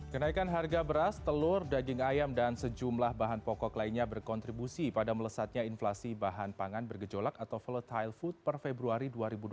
kenaikan harga beras telur daging ayam dan sejumlah bahan pokok lainnya berkontribusi pada melesatnya inflasi bahan pangan bergejolak atau volatile food per februari dua ribu dua puluh